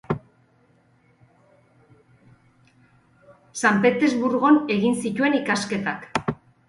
San Petersburgon egin zituen ikasketak.